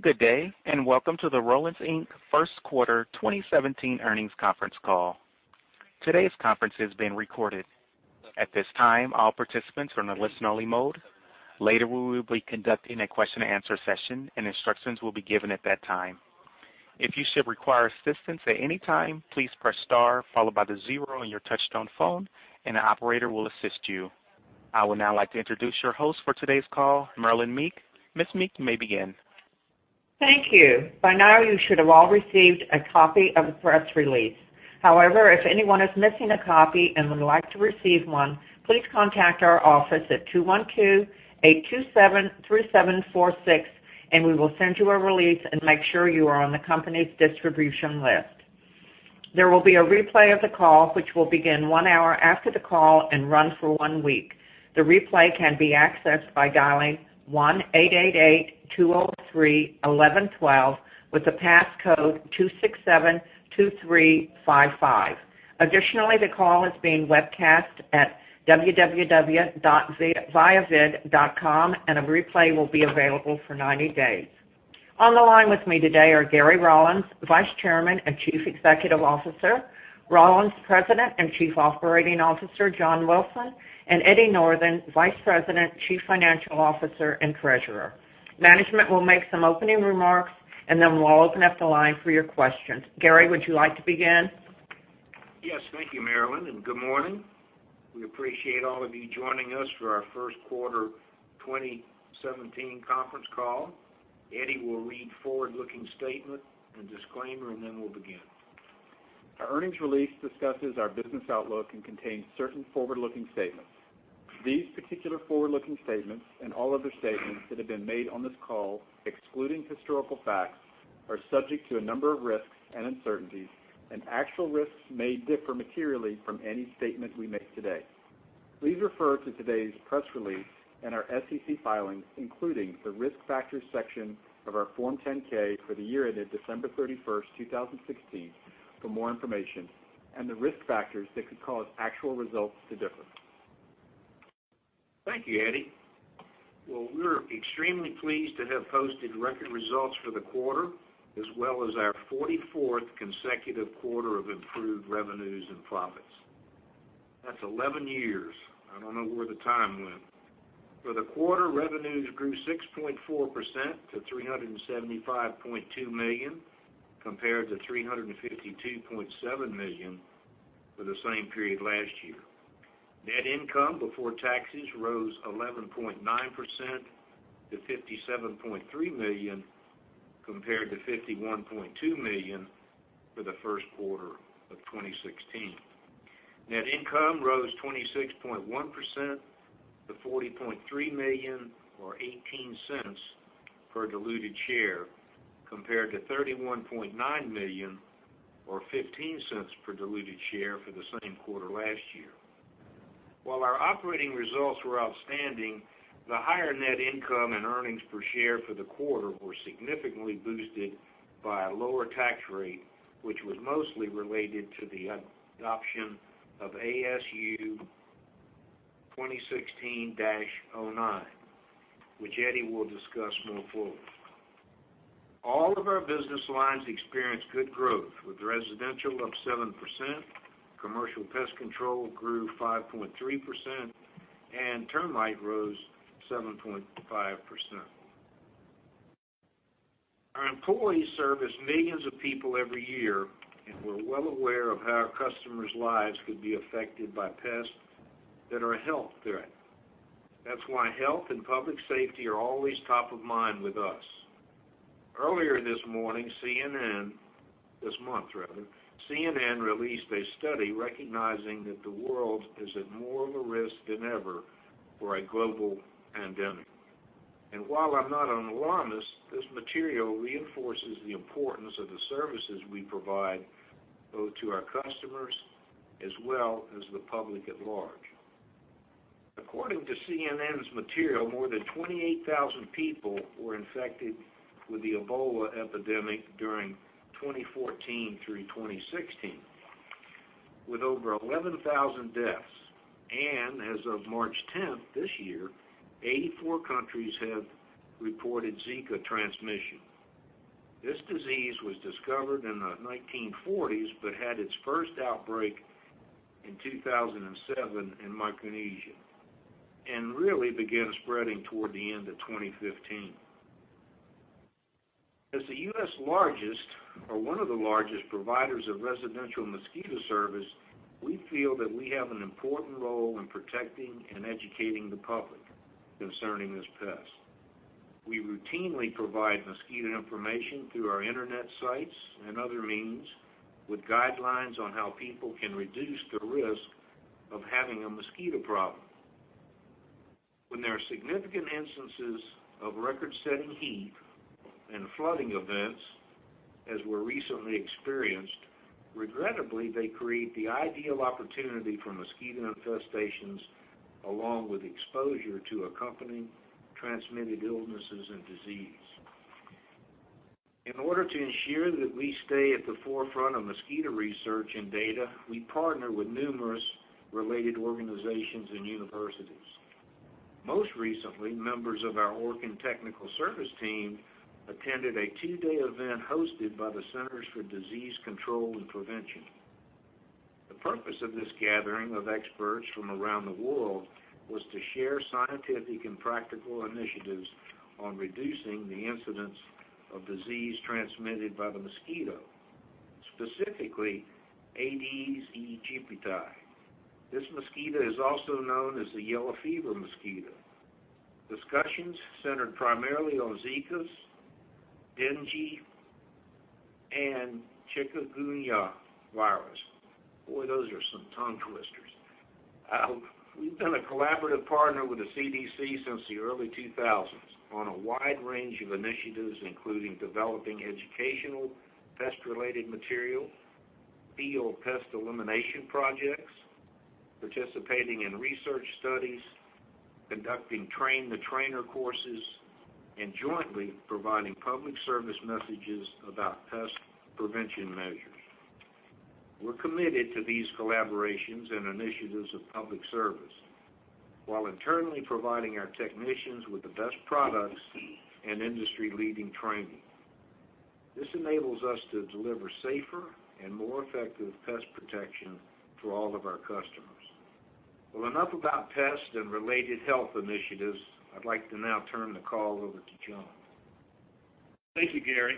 Good day, and welcome to the Rollins, Inc. First Quarter 2017 Earnings Conference Call. Today's conference is being recorded. At this time, all participants are in a listen-only mode. Later, we will be conducting a question-and-answer session, and instructions will be given at that time. If you should require assistance at any time, please press star followed by the zero on your touch-tone phone, and the operator will assist you. I would now like to introduce your host for today's call, Marilyn Meek. Ms. Meek, you may begin. Thank you. By now, you should have all received a copy of the press release. However, if anyone is missing a copy and would like to receive one, please contact our office at 212-827-3746, and we will send you a release and make sure you are on the company's distribution list. There will be a replay of the call, which will begin one hour after the call and run for one week. The replay can be accessed by dialing 1-888-203-1112 with the passcode 2672355. Additionally, the call is being webcast at www.viavid, and a replay will be available for 90 days. On the line with me today are Gary Rollins, Vice Chairman and Chief Executive Officer, Rollins President and Chief Operating Officer, John Wilson, and Eddie Northen, Vice President, Chief Financial Officer, and Treasurer. Management will make some opening remarks, and then we'll open up the line for your questions. Gary, would you like to begin? Yes. Thank you, Marilyn, and good morning. We appreciate all of you joining us for our first quarter 2017 conference call. Eddie will read forward-looking statement and disclaimer, and then we'll begin. Our earnings release discusses our business outlook and contains certain forward-looking statements. These particular forward-looking statements, and all other statements that have been made on this call excluding historical facts, are subject to a number of risks and uncertainties, and actual risks may differ materially from any statement we make today. Please refer to today's press release and our SEC filings, including the Risk Factors section of our Form 10-K for the year ended December 31st, 2016, for more information and the risk factors that could cause actual results to differ. Thank you, Eddie. Well, we're extremely pleased to have posted record results for the quarter, as well as our 44th consecutive quarter of improved revenues and profits. That's 11 years. I don't know where the time went. For the quarter, revenues grew 6.4% to $375.2 million, compared to $352.7 million for the same period last year. Net income before taxes rose 11.9% to $57.3 million, compared to $51.2 million for the first quarter of 2016. Net income rose 26.1% to $40.3 million, or $0.18 per diluted share, compared to $31.9 million or $0.15 per diluted share for the same quarter last year. While our operating results were outstanding, the higher net income and earnings per share for the quarter were significantly boosted by a lower tax rate, which was mostly related to the adoption of ASU 2016-09, which Eddie will discuss more fully. All of our business lines experienced good growth, with residential up 7%, commercial pest control grew 5.3%, and termite rose 7.5%. Our employees service millions of people every year, and we're well aware of how our customers' lives could be affected by pests that are a health threat. That's why health and public safety are always top of mind with us. Earlier this month, CNN released a study recognizing that the world is at more of a risk than ever for a global pandemic. While I'm not an alarmist, this material reinforces the importance of the services we provide, both to our customers as well as the public at large. According to CNN's material, more than 28,000 people were infected with the Ebola epidemic during 2014 through 2016, with over 11,000 deaths. As of March 10th this year, 84 countries have reported Zika transmission. This disease was discovered in the 1940s but had its first outbreak in 2007 in Micronesia and really began spreading toward the end of 2015. As the U.S. largest or one of the largest providers of residential mosquito service, we feel that we have an important role in protecting and educating the public concerning this pest. We routinely provide mosquito information through our internet sites and other means with guidelines on how people can reduce the risk of having a mosquito problem. When there are significant instances of record-setting heat and flooding events, as were recently experienced, regrettably, they create the ideal opportunity for mosquito infestations, along with exposure to accompanying transmitted illnesses and disease. In order to ensure that we stay at the forefront of mosquito research and data, we partner with numerous related organizations and universities. Most recently, members of our Orkin technical service team attended a two-day event hosted by the Centers for Disease Control and Prevention. The purpose of this gathering of experts from around the world was to share scientific and practical initiatives on reducing the incidence of disease transmitted by the mosquito, specifically Aedes aegypti. This mosquito is also known as the yellow fever mosquito. Discussions centered primarily on Zika, dengue, and chikungunya virus. Boy, those are some tongue twisters. We've been a collaborative partner with the CDC since the early 2000s on a wide range of initiatives, including developing educational pest-related material, field pest elimination projects, participating in research studies, conducting train-the-trainer courses, and jointly providing public service messages about pest prevention measures. We're committed to these collaborations and initiatives of public service while internally providing our technicians with the best products and industry-leading training. This enables us to deliver safer and more effective pest protection to all of our customers. Well, enough about pest and related health initiatives. I'd like to now turn the call over to John. Thank you, Gary.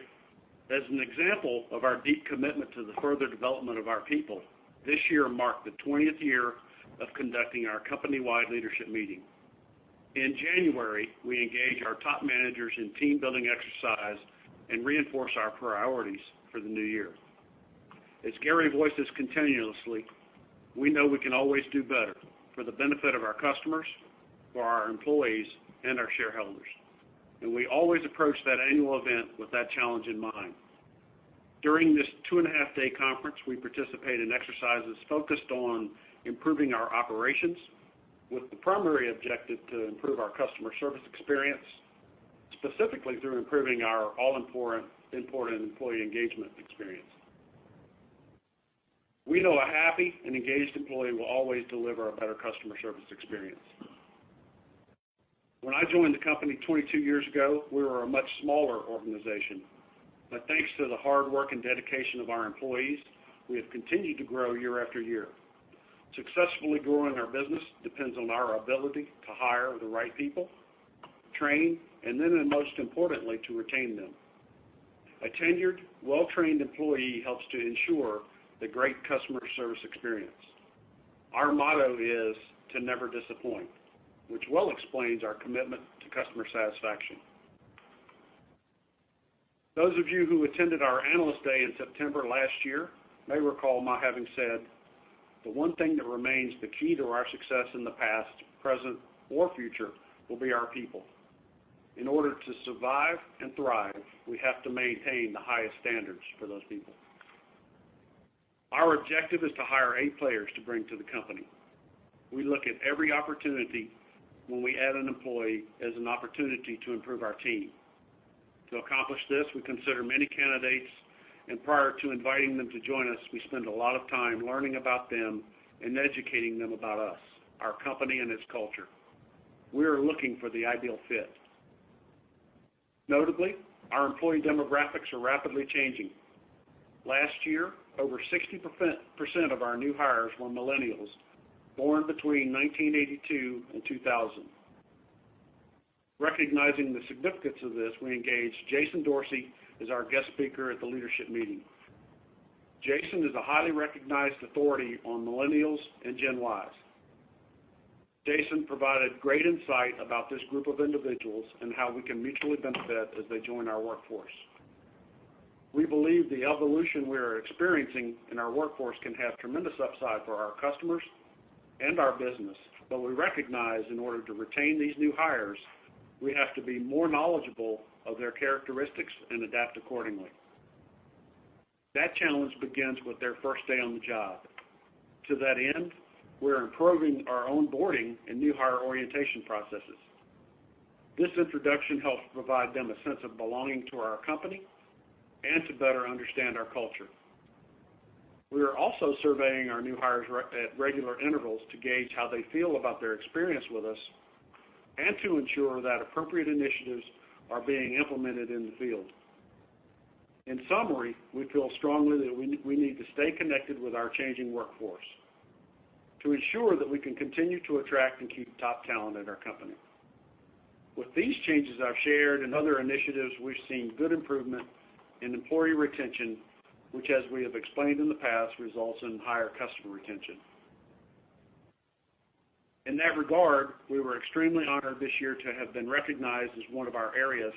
As an example of our deep commitment to the further development of our people, this year marked the 20th year of conducting our company-wide leadership meeting. In January, we engage our top managers in team-building exercise and reinforce our priorities for the new year. As Gary voices continuously, we know we can always do better for the benefit of our customers, for our employees, and our shareholders, and we always approach that annual event with that challenge in mind. During this two-and-a-half day conference, we participate in exercises focused on improving our operations with the primary objective to improve our customer service experience, specifically through improving our all-important employee engagement experience. We know a happy and engaged employee will always deliver a better customer service experience. When I joined the company 22 years ago, we were a much smaller organization. Thanks to the hard work and dedication of our employees, we have continued to grow year after year. Successfully growing our business depends on our ability to hire the right people, train, and then, and most importantly, to retain them. A tenured, well-trained employee helps to ensure the great customer service experience. Our motto is to never disappoint, which well explains our commitment to customer satisfaction. Those of you who attended our Analyst Day in September last year may recall my having said, the one thing that remains the key to our success in the past, present, or future will be our people. In order to survive and thrive, we have to maintain the highest standards for those people. Our objective is to hire A players to bring to the company. We look at every opportunity when we add an employee as an opportunity to improve our team. To accomplish this, we consider many candidates, and prior to inviting them to join us, we spend a lot of time learning about them and educating them about us, our company, and its culture. We are looking for the ideal fit. Notably, our employee demographics are rapidly changing. Last year, over 60% of our new hires were millennials born between 1982 and 2000. Recognizing the significance of this, we engaged Jason Dorsey as our guest speaker at the leadership meeting. Jason is a highly recognized authority on millennials and Gen Ys. Jason provided great insight about this group of individuals and how we can mutually benefit as they join our workforce. We believe the evolution we are experiencing in our workforce can have tremendous upside for our customers and our business. We recognize in order to retain these new hires, we have to be more knowledgeable of their characteristics and adapt accordingly. That challenge begins with their first day on the job. To that end, we're improving our onboarding and new hire orientation processes. This introduction helps provide them a sense of belonging to our company and to better understand our culture. We are also surveying our new hires at regular intervals to gauge how they feel about their experience with us and to ensure that appropriate initiatives are being implemented in the field. In summary, we feel strongly that we need to stay connected with our changing workforce to ensure that we can continue to attract and keep top talent at our company. With these changes I've shared and other initiatives, we've seen good improvement in employee retention, which, as we have explained in the past, results in higher customer retention. In that regard, we were extremely honored this year to have been recognized as one of our area's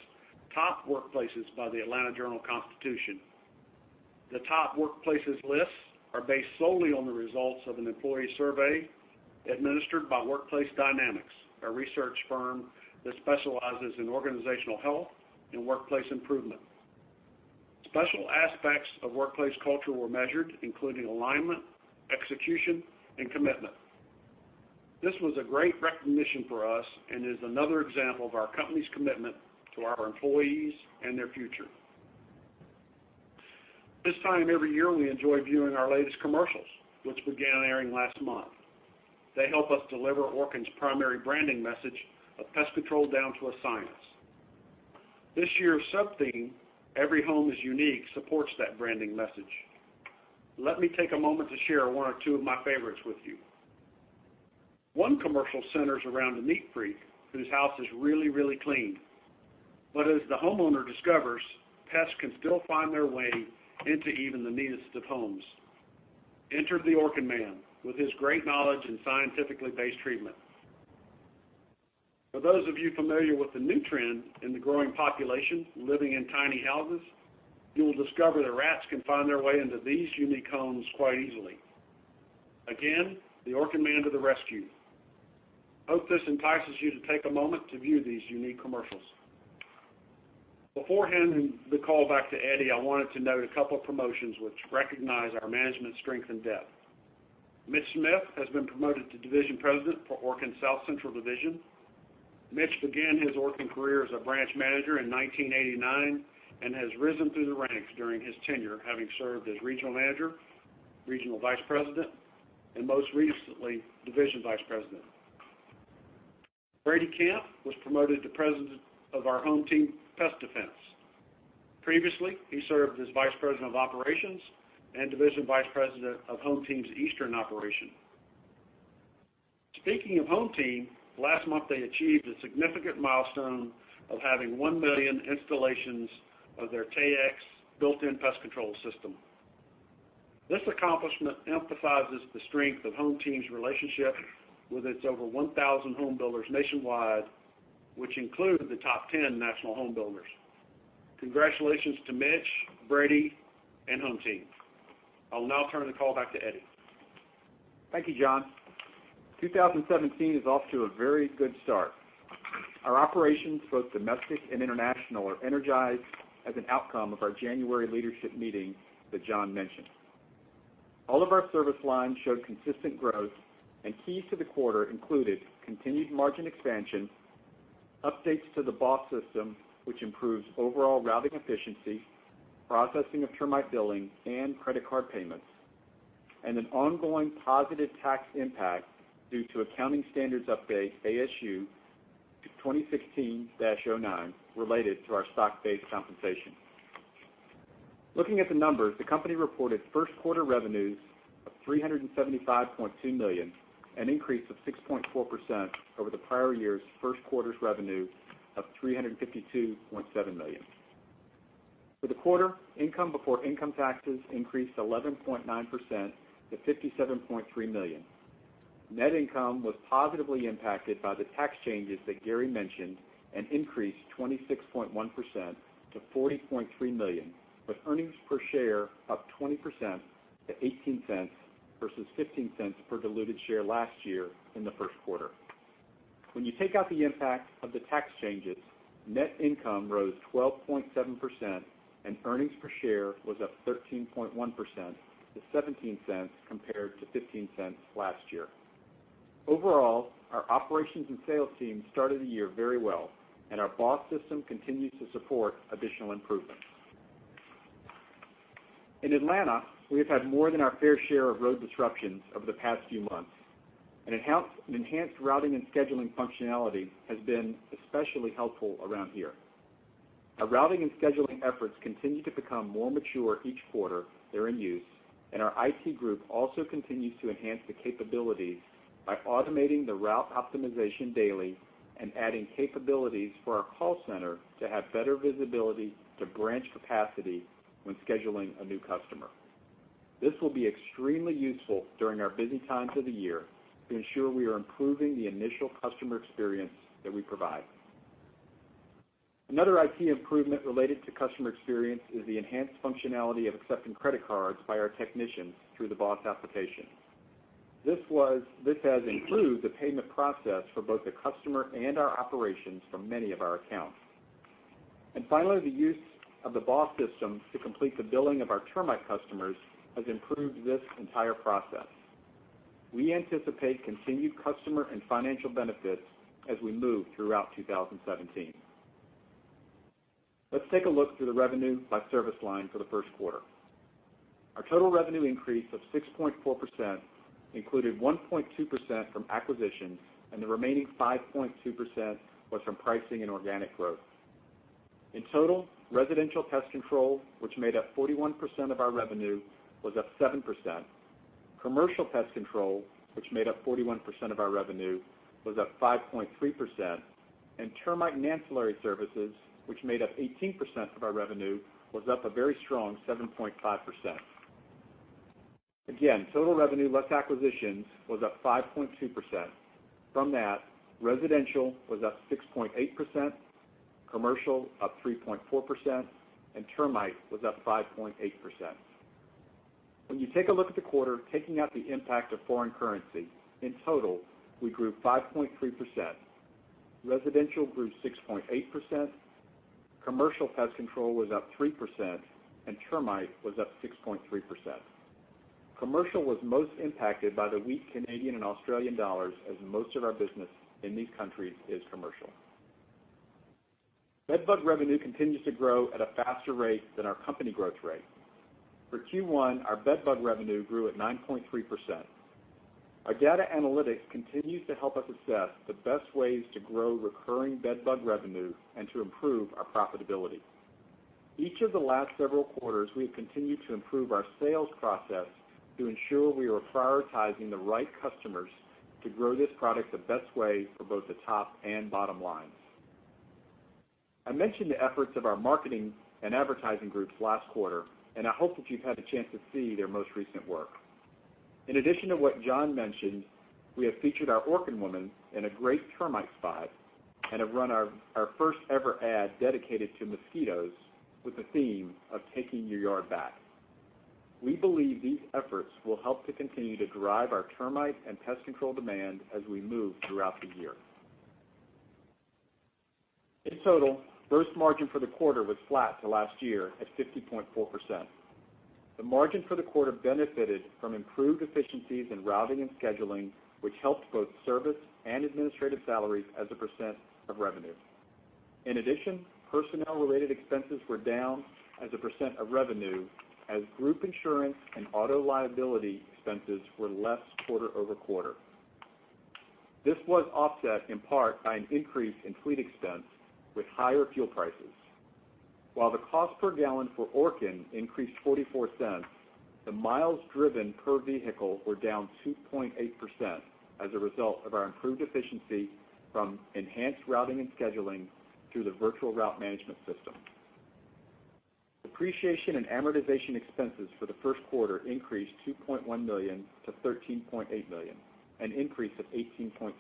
top workplaces by The Atlanta Journal-Constitution. The top workplaces lists are based solely on the results of an employee survey administered by Workplace Dynamics, a research firm that specializes in organizational health and workplace improvement. Special aspects of workplace culture were measured, including alignment, execution, and commitment. This was a great recognition for us and is another example of our company's commitment to our employees and their future. This time every year, we enjoy viewing our latest commercials, which began airing last month. They help us deliver Orkin's primary branding message of pest control down to a science. This year's subtheme, every home is unique, supports that branding message. Let me take a moment to share one or two of my favorites with you. One commercial centers around a neat freak whose house is really, really clean. As the homeowner discovers, pests can still find their way into even the neatest of homes. Enter the Orkin man with his great knowledge and scientifically-based treatment. For those of you familiar with the new trend in the growing population living in tiny houses, you will discover that rats can find their way into these unique homes quite easily. Again, the Orkin man to the rescue. Hope this entices you to take a moment to view these unique commercials. Beforehand the call back to Eddie, I wanted to note a couple of promotions which recognize our management strength and depth. Mitch Smith has been promoted to Division President for Orkin South Central Division. Mitch began his Orkin career as a branch manager in 1989 and has risen through the ranks during his tenure, having served as regional manager, regional vice president, and most recently, division vice president. Brady Camp was promoted to president of our HomeTeam Pest Defense. Previously, he served as vice president of operations and division vice president of HomeTeam's Eastern operation. Speaking of HomeTeam, last month they achieved a significant milestone of having 1 million installations of their Taexx built-in pest control system. This accomplishment emphasizes the strength of HomeTeam's relationship with its over 1,000 home builders nationwide, which include the top 10 national home builders. Congratulations to Mitch, Brady, and HomeTeam. I'll now turn the call back to Eddie. Thank you, John. 2017 is off to a very good start. Our operations, both domestic and international, are energized as an outcome of our January leadership meeting that John mentioned. All of our service lines showed consistent growth, and keys to the quarter included continued margin expansion, updates to the BOSS system, which improves overall routing efficiency, processing of termite billing and credit card payments, and an ongoing positive tax impact due to Accounting Standards Update, ASU, 2016-09 related to our stock-based compensation. Looking at the numbers, the company reported first quarter revenues of $375.2 million, an increase of 6.4% over the prior year's first quarter's revenue of $352.7 million. For the quarter, income before income taxes increased 11.9% to $57.3 million. Net income was positively impacted by the tax changes that Gary mentioned and increased 26.1% to $40.3 million, with earnings per share up 20% to $0.18 versus $0.15 per diluted share last year in the first quarter. When you take out the impact of the tax changes, net income rose 12.7% and earnings per share was up 13.1% to $0.17 compared to $0.15 last year. Overall, our operations and sales team started the year very well, and our BOSS system continues to support additional improvements. In Atlanta, we have had more than our fair share of road disruptions over the past few months. An enhanced routing and scheduling functionality has been especially helpful around here. Our routing and scheduling efforts continue to become more mature each quarter they're in use, and our IT group also continues to enhance the capabilities by automating the route optimization daily and adding capabilities for our call center to have better visibility to branch capacity when scheduling a new customer. This will be extremely useful during our busy times of the year to ensure we are improving the initial customer experience that we provide. Another IT improvement related to customer experience is the enhanced functionality of accepting credit cards by our technicians through the BOSS application. This has improved the payment process for both the customer and our operations for many of our accounts. Finally, the use of the BOSS system to complete the billing of our termite customers has improved this entire process. We anticipate continued customer and financial benefits as we move throughout 2017. Let's take a look through the revenue by service line for the first quarter. Our total revenue increase of 6.4% included 1.2% from acquisitions and the remaining 5.2% was from pricing and organic growth. In total, residential pest control, which made up 41% of our revenue, was up 7%. Commercial pest control, which made up 41% of our revenue, was up 5.3%. Termite and ancillary services, which made up 18% of our revenue, was up a very strong 7.5%. Again, total revenue less acquisitions was up 5.2%. From that, residential was up 6.8%, commercial up 3.4%, and termite was up 5.8%. When you take a look at the quarter, taking out the impact of foreign currency, in total, we grew 5.3%. Residential grew 6.8%, commercial pest control was up 3%, and termite was up 6.3%. Commercial was most impacted by the weak Canadian and Australian dollars, as most of our business in these countries is commercial. Bed bug revenue continues to grow at a faster rate than our company growth rate. For Q1, our bed bug revenue grew at 9.3%. Our data analytics continues to help us assess the best ways to grow recurring bed bug revenue and to improve our profitability. Each of the last several quarters, we have continued to improve our sales process to ensure we are prioritizing the right customers to grow this product the best way for both the top and bottom line. I mentioned the efforts of our marketing and advertising groups last quarter, and I hope that you've had a chance to see their most recent work. In addition to what John mentioned, we have featured our Orkin woman in a great termite spot and have run our first-ever ad dedicated to mosquitoes with the theme of taking your yard back. We believe these efforts will help to continue to drive our termite and pest control demand as we move throughout the year. In total, gross margin for the quarter was flat to last year at 50.4%. The margin for the quarter benefited from improved efficiencies in routing and scheduling, which helped both service and administrative salaries as a percent of revenue. In addition, personnel-related expenses were down as a percent of revenue, as group insurance and auto liability expenses were less quarter-over-quarter. This was offset in part by an increase in fleet expense with higher fuel prices. While the cost per gallon for Orkin increased $0.44, the miles driven per vehicle were down 2.8% as a result of our improved efficiency from enhanced routing and scheduling through the virtual route management system. Depreciation and amortization expenses for the first quarter increased $2.1 million to $13.8 million, an increase of 18.3%.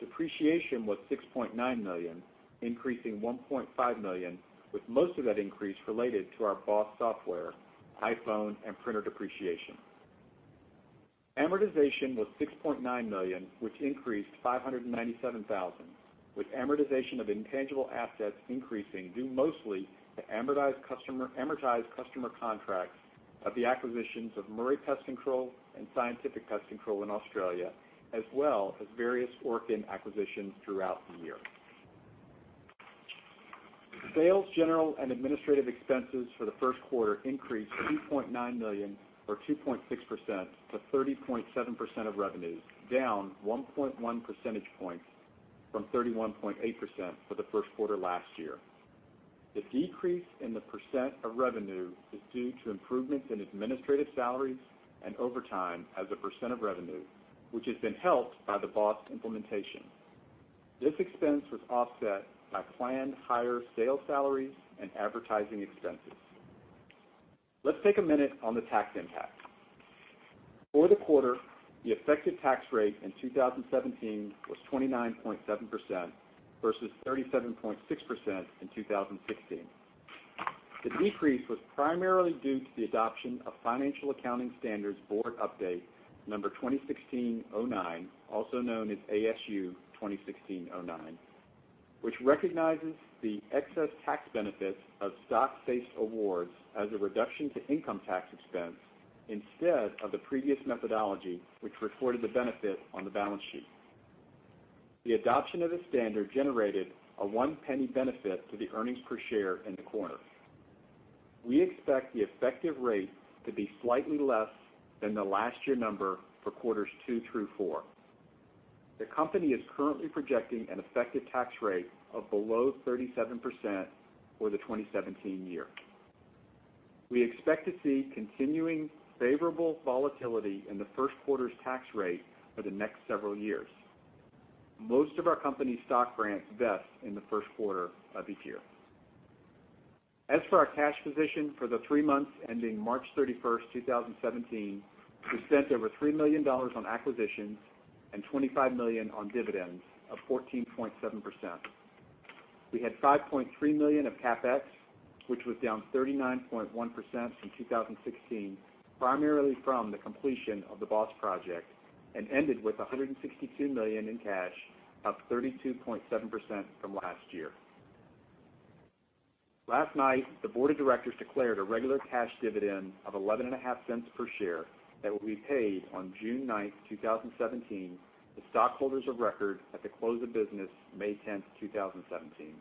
Depreciation was $6.9 million, increasing $1.5 million, with most of that increase related to our BOSS software, iPhone, and printer depreciation. Amortization was $6.9 million, which increased $597,000, with amortization of intangible assets increasing due mostly to amortized customer contracts of the acquisitions of Murray Pest Control and Scientific Pest Management in Australia, as well as various Orkin acquisitions throughout the year. Sales, general, and administrative expenses for the first quarter increased $2.9 million or 2.6% to 30.7% of revenues, down 1.1 percentage points from 31.8% for the first quarter last year. The decrease in the % of revenue is due to improvements in administrative salaries and overtime as a % of revenue, which has been helped by the BOSS implementation. This expense was offset by planned higher sales salaries and advertising expenses. Let's take a minute on the tax impact. For the quarter, the effective tax rate in 2017 was 29.7% versus 37.6% in 2016. The decrease was primarily due to the adoption of Financial Accounting Standards Board update 2016-09, also known as ASU 2016-09, which recognizes the excess tax benefits of stock-based awards as a reduction to income tax expense instead of the previous methodology, which reported the benefit on the balance sheet. The adoption of the standard generated a $0.01 benefit to the earnings per share in the quarter. We expect the effective rate to be slightly less than the last year number for quarters two through four. The company is currently projecting an effective tax rate of below 37% for the 2017 year. We expect to see continuing favorable volatility in the first quarter's tax rate for the next several years. Most of our company stock grants vest in the first quarter of each year. As for our cash position for the three months ending March 31st, 2017, we spent over $3 million on acquisitions and $25 million on dividends of 14.7%. We had $5.3 million of CapEx, which was down 39.1% from 2016, primarily from the completion of the BOSS project and ended with $162 million in cash, up 32.7% from last year. Last night, the board of directors declared a regular cash dividend of $0.115 per share that will be paid on June 9th, 2017 to stockholders of record at the close of business May 10th, 2017.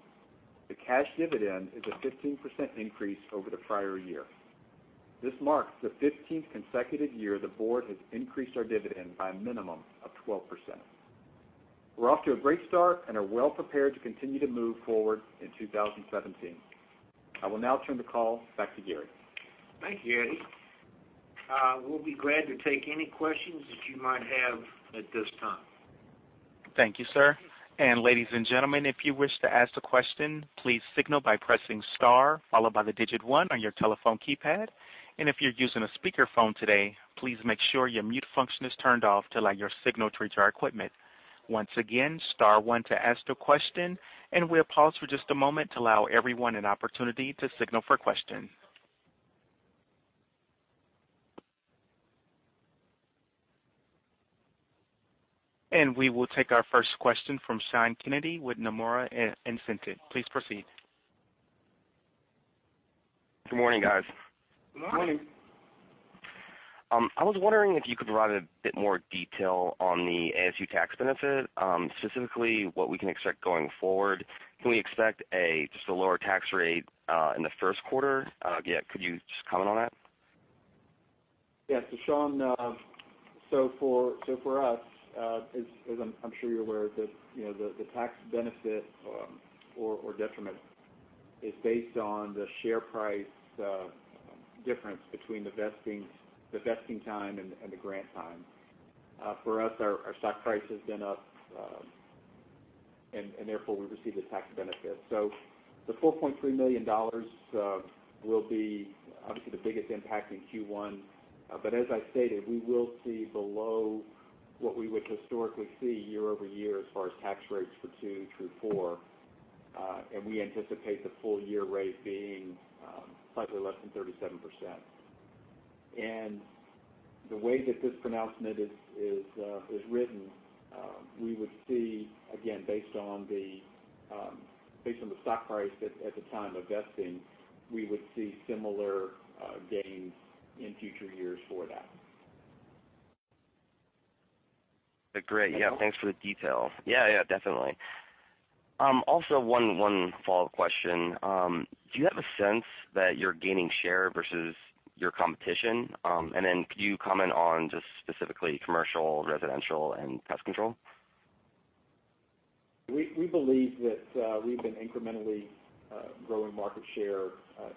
The cash dividend is a 15% increase over the prior year. This marks the 15th consecutive year the board has increased our dividend by a minimum of 12%. We're off to a great start and are well prepared to continue to move forward in 2017. I will now turn the call back to Gary. Thank you, Eddie. We'll be glad to take any questions that you might have at this time. Thank you, sir. Ladies and gentlemen, if you wish to ask a question, please signal by pressing star followed by the digit 1 on your telephone keypad. If you're using a speakerphone today, please make sure your mute function is turned off to allow your signal through to our equipment. Once again, star one to ask a question, we'll pause for just a moment to allow everyone an opportunity to signal for questions. We will take our first question from Sean Kennedy with Nomura Instinet. Please proceed. Good morning, guys. Good morning. Good morning. I was wondering if you could provide a bit more detail on the ASU tax benefit, specifically what we can expect going forward. Can we expect just a lower tax rate in the first quarter? Could you just comment on that? Yes, Sean, so for us, as I'm sure you're aware, the tax benefit or detriment is based on the share price difference between the vesting time and the grant time. For us, our stock price has been up, and therefore, we receive the tax benefit. The $4.3 million will be obviously the biggest impact in Q1. As I stated, we will see below what we would historically see year-over-year as far as tax rates for two through four. We anticipate the full year rate being slightly less than 37%. The way that this pronouncement is written, we would see, again, based on the stock price at the time of vesting, we would see similar gains in future years for that. Great. Thanks for the details. Definitely. Also one follow-up question. Do you have a sense that you're gaining share versus your competition? Could you comment on just specifically commercial, residential, and pest control? We believe that we've been incrementally growing market share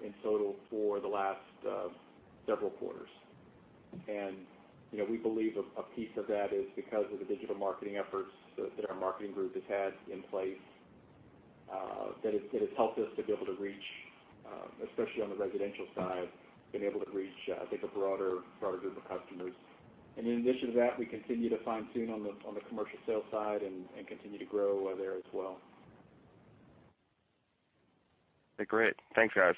in total for the last several quarters. We believe a piece of that is because of the digital marketing efforts that our marketing group has had in place, that has helped us to be able to reach, especially on the residential side, been able to reach a broader group of customers. In addition to that, we continue to fine-tune on the commercial sales side and continue to grow there as well. Great. Thanks, guys.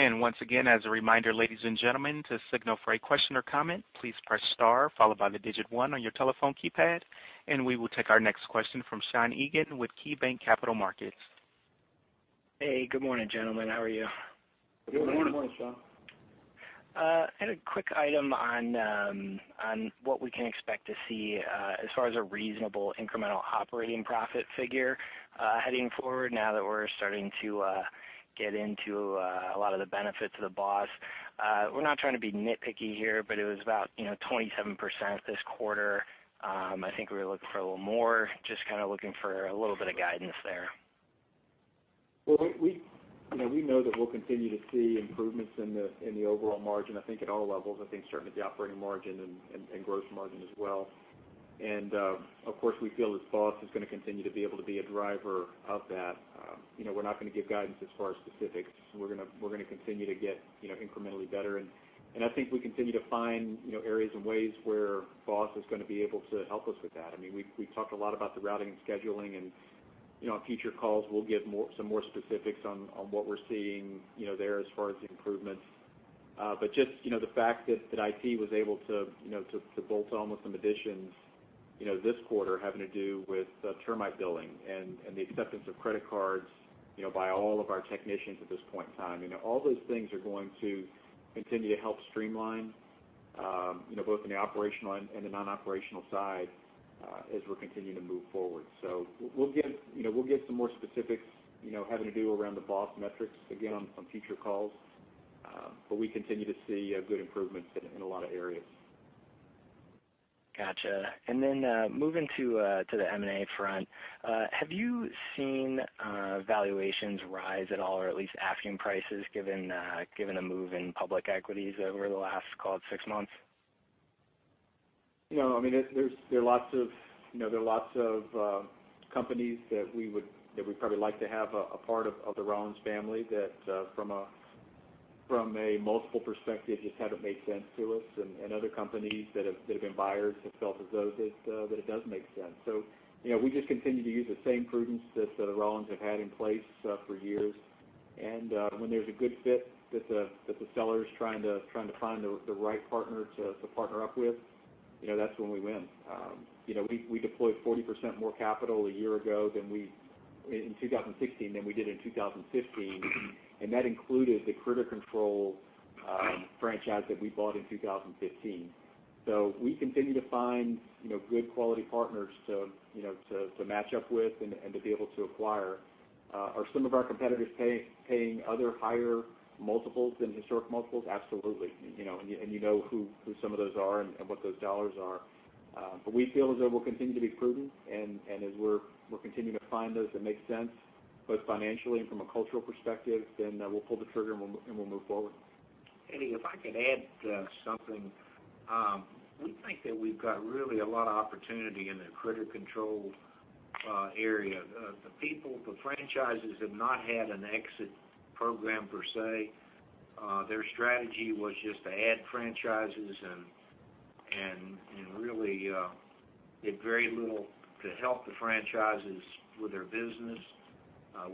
Once again, as a reminder, ladies and gentlemen, to signal for a question or comment, please press star followed by the digit 1 on your telephone keypad. We will take our next question from Sean Egan with KeyBanc Capital Markets. Hey, good morning, gentlemen. How are you? Good morning. Good morning, Sean. I had a quick item on what we can expect to see as far as a reasonable incremental operating profit figure heading forward now that we're starting to get into a lot of the benefits of the BOSS. We're not trying to be nitpicky here, but it was about 27% this quarter. I think we were looking for a little more, just kind of looking for a little bit of guidance there. Well, we know that we'll continue to see improvements in the overall margin, I think at all levels. I think certainly the operating margin and gross margin as well. Of course, we feel that BOSS is going to continue to be able to be a driver of that. We're not going to give guidance as far as specifics. We're going to continue to get incrementally better, and I think we continue to find areas and ways where BOSS is going to be able to help us with that. We've talked a lot about the routing and scheduling, and on future calls, we'll give some more specifics on what we're seeing there as far as the improvements. Just the fact that IT was able to bolt on with some additions this quarter having to do with termite billing and the acceptance of credit cards by all of our technicians at this point in time. All those things are going to continue to help streamline both in the operational and the non-operational side as we're continuing to move forward. We'll give some more specifics having to do around the BOSS metrics again on future calls. We continue to see good improvements in a lot of areas. Got you. Then, moving to the M&A front, have you seen valuations rise at all, or at least asking prices, given the move in public equities over the last, call it six months? There are lots of companies that we'd probably like to have a part of the Rollins family that from a multiple perspective just haven't made sense to us, and other companies that have been buyers have felt as though that it does make sense. We just continue to use the same prudence that Rollins have had in place for years. When there's a good fit that the seller is trying to find the right partner to partner up with, that's when we win. We deployed 40% more capital in 2016 than we did in 2015, and that included the Critter Control franchise that we bought in 2015. We continue to find good quality partners to match up with and to be able to acquire. Are some of our competitors paying other higher multiples than historic multiples? Absolutely. You know who some of those are and what those dollars are. We feel as though we'll continue to be prudent, and as we're continuing to find those that make sense, both financially and from a cultural perspective, we'll pull the trigger and we'll move forward. Eddie, if I could add something. We think that we've got really a lot of opportunity in the Critter Control area. The people, the franchises have not had an exit program per se. Their strategy was just to add franchises and really did very little to help the franchises with their business.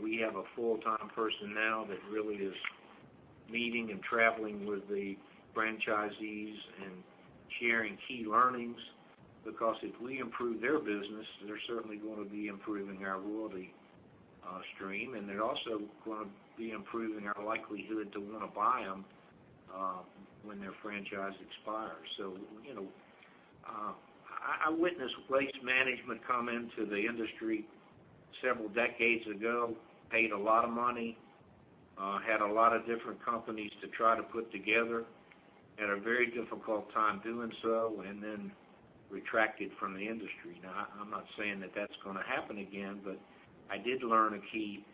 We have a full-time person now that really is Meeting and traveling with the franchisees and sharing key learnings, because if we improve their business, they're certainly going to be improving our royalty stream, and they're also going to be improving our likelihood to want to buy them when their franchise expires. I witnessed Waste Management come into the industry several decades ago, paid a lot of money, had a lot of different companies to try to put together, had a very difficult time doing so, then retracted from the industry. I'm not saying that that's going to happen again, but I did learn a key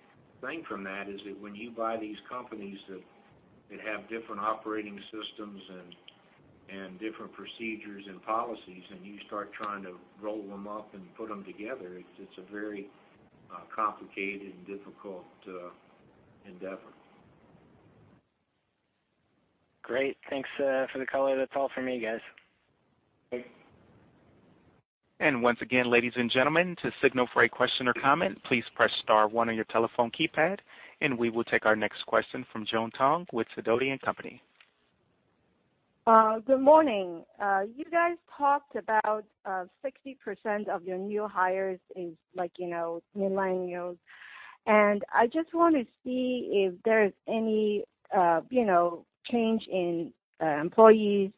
thing from that is that when you buy these companies that have different operating systems and different procedures and policies, and you start trying to roll them up and put them together, it's a very complicated and difficult endeavor. Great. Thanks for the color. That's all for me, guys. Thanks. Once again, ladies and gentlemen, to signal for a question or comment, please press star one on your telephone keypad, and we will take our next question from Joan Tong with Sidoti & Company. Good morning. You guys talked about 60% of your new hires is millennials, and I just want to see if there's any change in employees'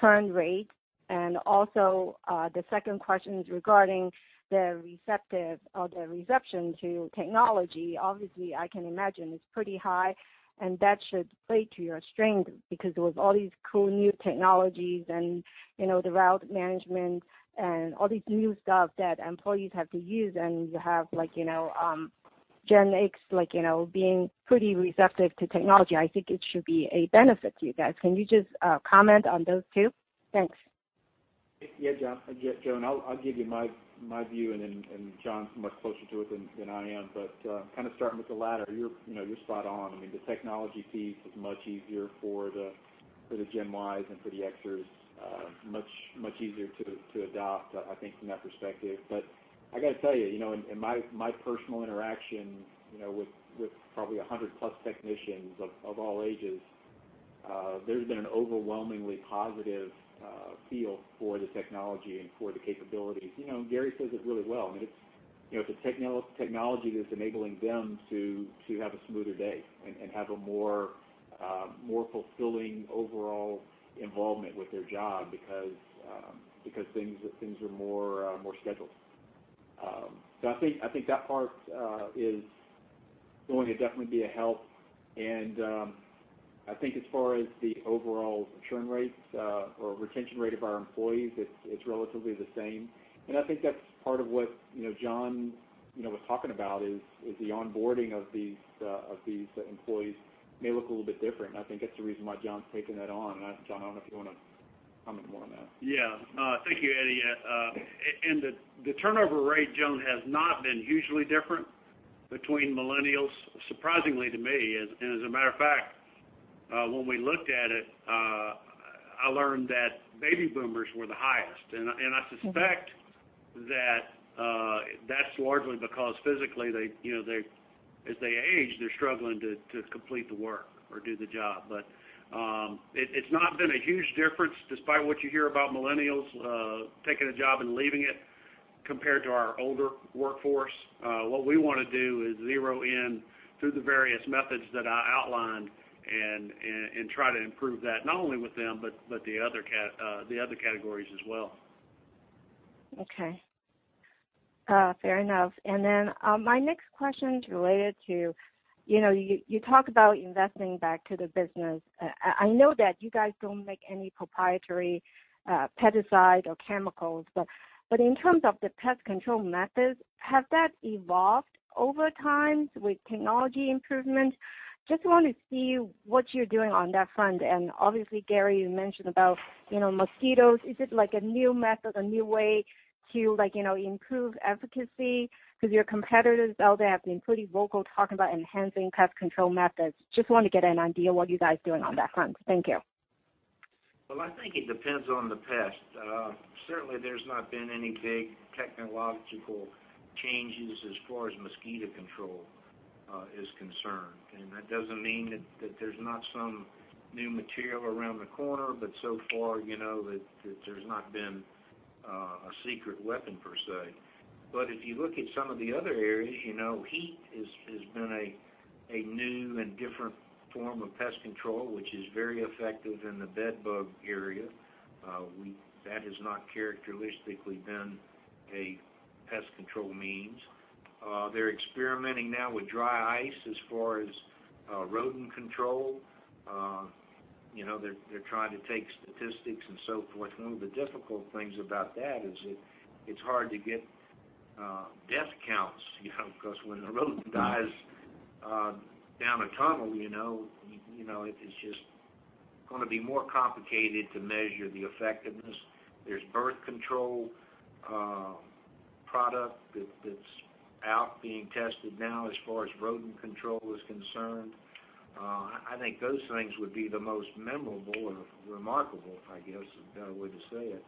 turn rate. Also, the second question is regarding the reception to technology. Obviously, I can imagine it's pretty high and that should play to your strength because with all these cool new technologies and the route management and all this new stuff that employees have to use, and you have Gen X being pretty receptive to technology, I think it should be a benefit to you guys. Can you just comment on those two? Thanks. Yeah, Joan. I'll give you my view and then John's much closer to it than I am. Kind of starting with the latter, you're spot on. The technology piece is much easier for the Gen Ys and for the Xers, much easier to adopt, I think, from that perspective. I got to tell you, in my personal interaction with probably 100 plus technicians of all ages, there's been an overwhelmingly positive feel for the technology and for the capabilities. Gary says it really well. It's a technology that's enabling them to have a smoother day and have a more fulfilling overall involvement with their job because things are more scheduled. I think that part is going to definitely be a help, and I think as far as the overall churn rates or retention rate of our employees, it's relatively the same. I think that's part of what John was talking about is the onboarding of these employees may look a little bit different, and I think that's the reason why John's taken that on. John, I don't know if you want to comment more on that. Yeah. Thank you, Eddie. The turnover rate, Joan, has not been hugely different between millennials, surprisingly to me. As a matter of fact, when we looked at it, I learned that baby boomers were the highest. I suspect that that's largely because physically, as they age, they're struggling to complete the work or do the job. It's not been a huge difference despite what you hear about millennials taking a job and leaving it compared to our older workforce. What we want to do is zero in through the various methods that I outlined and try to improve that, not only with them, but the other categories as well. Okay. Fair enough. Then my next question is related to, you talked about investing back to the business. I know that you guys don't make any proprietary pesticide or chemicals, but in terms of the pest control methods, has that evolved over time with technology improvement? Just want to see what you're doing on that front. Obviously, Gary, you mentioned about mosquitoes. Is it like a new method, a new way to improve efficacy? Because your competitors out there have been pretty vocal talking about enhancing pest control methods. Just want to get an idea what you guys are doing on that front. Thank you. I think it depends on the pest. Certainly, there's not been any big technological changes as far as mosquito control is concerned. That doesn't mean that there's not some new material around the corner, but so far, there's not been a secret weapon, per se. If you look at some of the other areas, heat has been a new and different form of pest control, which is very effective in the bedbug area. That has not characteristically been a pest control means. They're experimenting now with dry ice as far as rodent control. They're trying to take statistics and so forth. One of the difficult things about that is it's hard to get death counts, because when a rodent dies down a tunnel, it is just going to be more complicated to measure the effectiveness. There's birth control product that's out being tested now as far as rodent control is concerned. I think those things would be the most memorable or remarkable, I guess, is a better way to say it.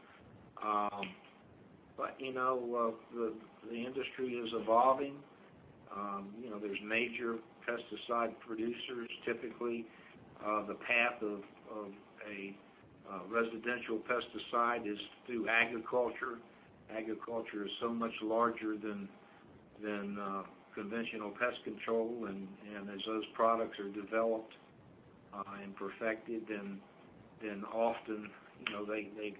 The industry is evolving. There's major pesticide producers. Typically, the path of a residential pesticide is through agriculture. Agriculture is so much larger than conventional pest control, and as those products are developed and perfected, then often they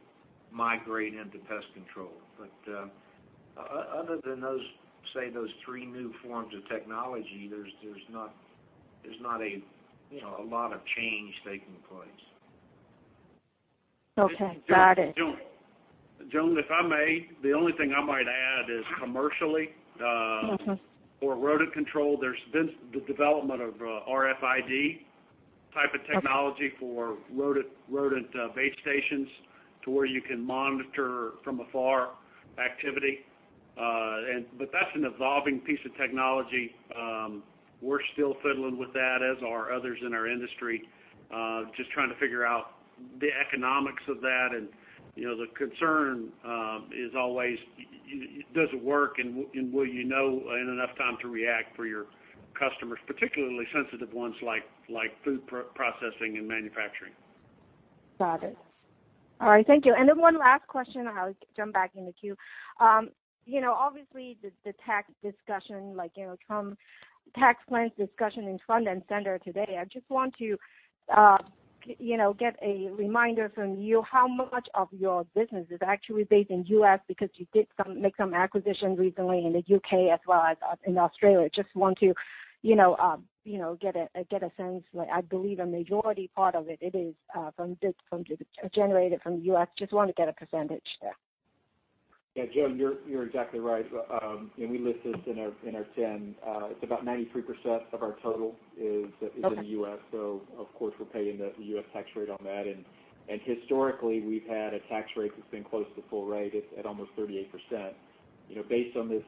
migrate into pest control. Other than, say, those three new forms of technology, there's not a lot of change taking place. Okay. Got it. Joan, if I may, the only thing I might add is commercially. For rodent control, there's been the development of RFID type of technology for rodent bait stations to where you can monitor, from afar, activity. That's an evolving piece of technology. We're still fiddling with that, as are others in our industry, just trying to figure out the economics of that. The concern is always, does it work, and will you know in enough time to react for your customers, particularly sensitive ones like food processing and manufacturing? Got it. All right. Thank you. Then one last question, and I'll jump back in the queue. Obviously, the tax discussion, like Trump tax plans discussion is front and center today. I just want to get a reminder from you how much of your business is actually based in U.S., because you did make some acquisitions recently in the U.K. as well as in Australia. Just want to get a sense. I believe a majority part of it is generated from the U.S. Just want to get a percentage there. Yeah, Joan, you're exactly right. We list this in our 10-K. It's about 93% of our total is. Okay Of course, we're paying the U.S. tax rate on that. Historically, we've had a tax rate that's been close to full rate at almost 38%. Based on this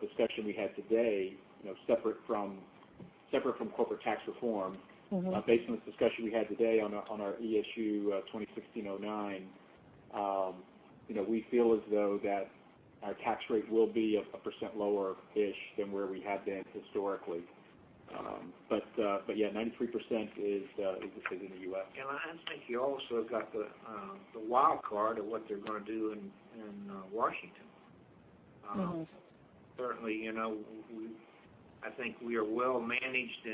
discussion we had today, separate from corporate tax reform- based on this discussion we had today on our ASU 2016-09, we feel as though that our tax rate will be a % lower-ish than where we have been historically. Yeah, 93% is in the U.S. I think you also have got the wild card of what they're going to do in Washington. Certainly, I think we are well-managed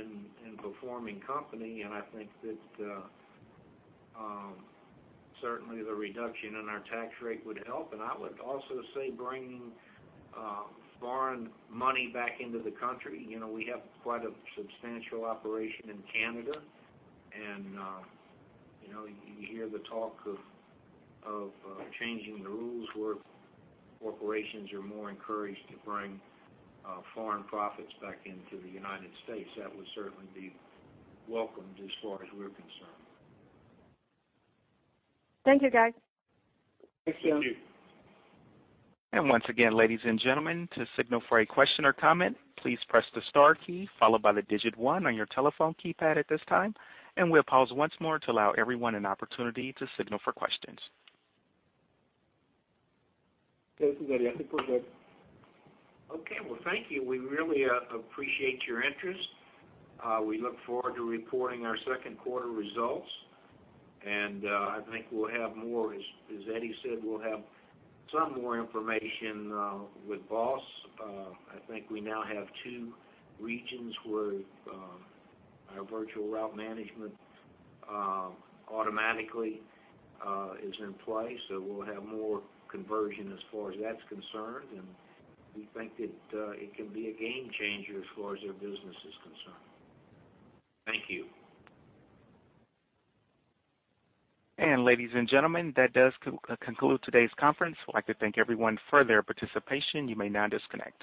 and performing company, I think that certainly the reduction in our tax rate would help, I would also say bringing foreign money back into the country. We have quite a substantial operation in Canada, you hear the talk of changing the rules where corporations are more encouraged to bring foreign profits back into the United States. That would certainly be welcomed as far as we're concerned. Thank you, guys. Thank you. Thank you. Once again, ladies and gentlemen, to signal for a question or comment, please press the star key followed by the digit one on your telephone keypad at this time, and we'll pause once more to allow everyone an opportunity to signal for questions. Okay, this is Eddie. I think we're good. Okay. Well, thank you. We really appreciate your interest. We look forward to reporting our second quarter results, and I think we'll have more, as Eddie said, we'll have some more information with BOSS. I think we now have two regions where our virtual route management automatically is in place. We'll have more conversion as far as that's concerned, and we think that it can be a game changer as far as our business is concerned. Thank you. Ladies and gentlemen, that does conclude today's conference. I'd like to thank everyone for their participation. You may now disconnect.